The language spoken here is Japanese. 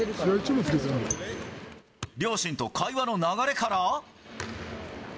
両親と会話の流れから。